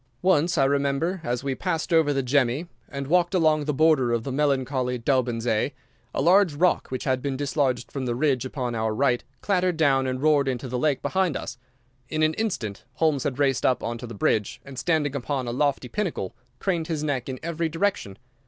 Once, I remember, as we passed over the Gemmi, and walked along the border of the melancholy Daubensee, a large rock which had been dislodged from the ridge upon our right clattered down and roared into the lake behind us. In an instant Holmes had raced up on to the ridge, and, standing upon a lofty pinnacle, craned his neck in every direction.